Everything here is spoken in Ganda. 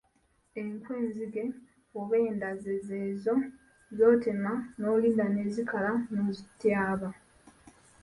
Enku enzige oba endaze z'ezo z'otema n'olinda ne zikala n'ozityaba.